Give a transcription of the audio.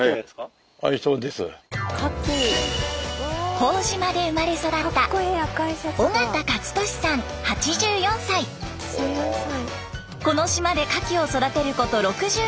朴島で生まれ育ったこの島でカキを育てること６９年。